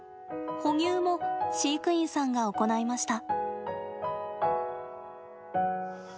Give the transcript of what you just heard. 哺乳も飼育員さんが行いました。